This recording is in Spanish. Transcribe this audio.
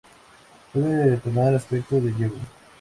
Puede tomar aspecto de yegua.